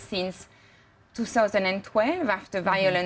sejak dua ribu dua belas setelah kegagalan